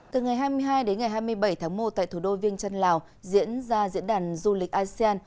từ ngày hai mươi hai đến ngày hai mươi bảy tháng một tại thủ đô viêng chân lào diễn ra diễn đàn du lịch asean